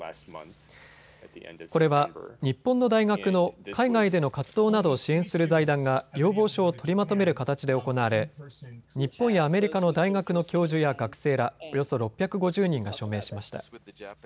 これは日本の大学の海外での活動などを支援する財団が要望書を取りまとめる形で行われ日本やアメリカの大学の教授や学生らおよそ６５０人が署名しました。